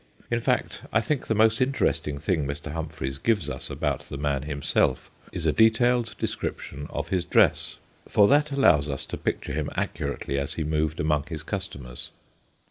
In fact, I think the most inter esting thing Mr. Humphreys gives us about the man himself is a detailed description of his dress, for that allows us to picture him accurately as he moved among his customers.